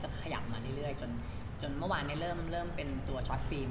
ขยับมาเรื่อยจนเมื่อวานนี้เริ่มเป็นตัวช็อตฟิล์ม